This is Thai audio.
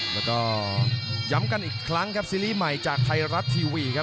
แล้วก็ย้ำกันอีกครั้งครับซีรีส์ใหม่จากไทยรัฐทีวีครับ